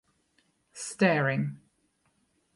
Staring.